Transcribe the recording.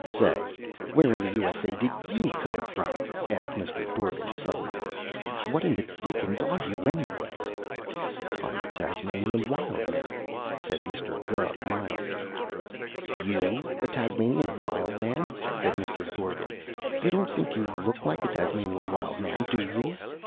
"Say! Where in the U.S.A. did you come from?" asked Mr. Dorgan suddenly. "What in the dickens are you, anyway?" "I'm a Tasmanian Wild Man," said Mr. Gubb mildly. "You a Tasmanian Wild Man?" said Mr. Dorgan. "You don't think you look like a Tasmanian Wild Man, do you?